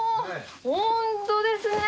本当ですね。